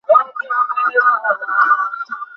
ও দেখতে কার মতো?